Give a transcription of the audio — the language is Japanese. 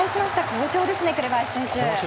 好調ですね、紅林選手。